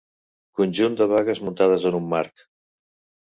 Conjunt de bagues muntades en un marc.